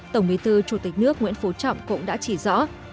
tổng bí thư chủ tịch nước nguyễn phú trọng cũng đã chỉ rõ